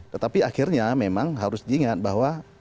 tetapi akhirnya memang harus diingat bahwa